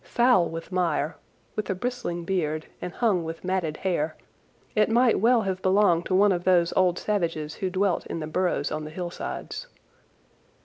Foul with mire, with a bristling beard, and hung with matted hair, it might well have belonged to one of those old savages who dwelt in the burrows on the hillsides.